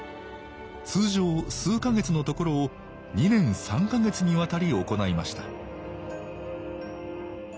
通常数か月のところを２年３か月にわたり行いました